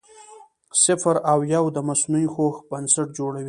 صفر او یو د مصنوعي هوښ بنسټ جوړوي.